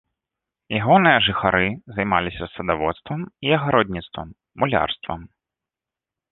Ягоныя жыхары займаліся садаводствам і агародніцтвам, мулярствам.